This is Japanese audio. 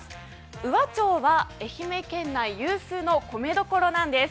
宇和町は愛媛県内有数の米どころなんです。